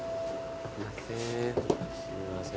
すいません。